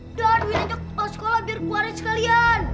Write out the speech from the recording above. udah aduh ini aja sekolah biar keluarin sekalian